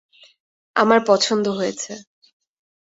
আমার পছন্দ হয়েছে।